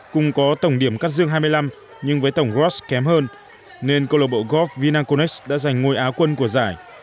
cùng có tổng điểm cắt dương hai mươi năm nhưng với tổng gross kém hơn nên câu lạc bộ golf vinaconex đã giành ngôi áo quân của giải